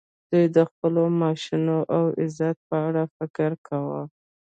دوی د خپلو معاشونو او عزت په اړه فکر کاوه